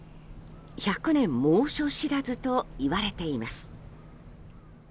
１００年猛暑知らずといわれています。